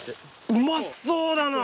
うまそうだな！